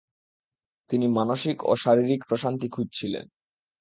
তিনি মানসিক ও শারীরিক প্রশান্তি খুঁজছিলেন।